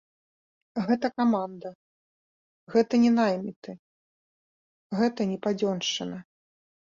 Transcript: Гэта каманда, гэта не найміты, гэта не падзёншчына.